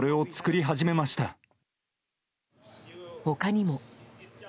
他にも。